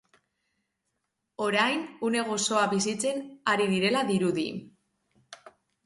Orain, une gozoa bizitzen ari direla dirudi.